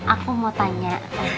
aku mau tanya